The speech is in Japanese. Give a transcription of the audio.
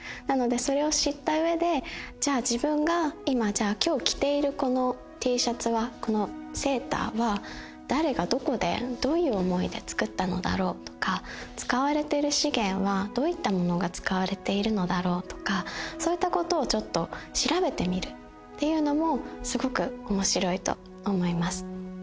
なのでそれを知った上でじゃあ自分が今日着ているこのＴシャツはこのセーターは誰がどこでどういう思いで作ったのだろうとか使われてる資源はどういったものが使われているのだろうとかそういったことをちょっと調べてみるっていうのもすごく面白いと思います。